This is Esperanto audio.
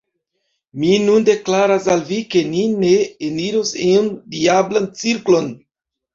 Mi nun deklaras al vi, ke ni ne eniros iun diablan cirklon.